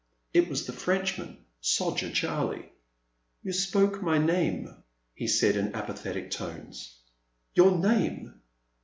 It was the Frenchman, Soger Charlie." ''You spoke my name, he said in apathetic tones. "Your name